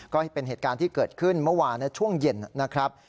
ก็เป็นเหตุการณ์ที่เกิดขึ้นเมื่อวานช่วงเย็นนะครับ